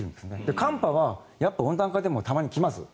寒波は温暖化でもたまに来ます。